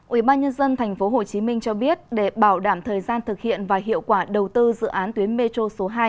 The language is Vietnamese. ủy ban nhân dân tp hcm cho biết để bảo đảm thời gian thực hiện và hiệu quả đầu tư dự án tuyến metro số hai